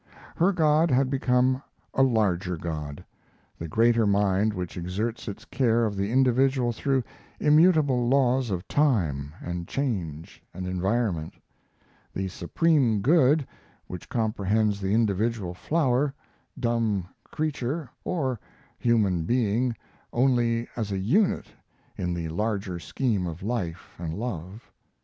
Her God had become a larger God; the greater mind which exerts its care of the individual through immutable laws of time and change and environment the Supreme Good which comprehends the individual flower, dumb creature, or human being only as a unit in the larger scheme of life and love.